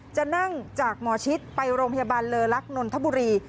จะนั่งจากหมอชิดไปโรงพยาบาลเลอลักษนนทบุรี